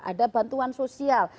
ada bantuan sosial